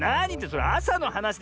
それあさのはなしでしょ？